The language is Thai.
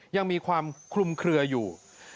ยังมีความคลุมเคลืออยู่